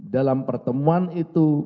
dalam pertemuan itu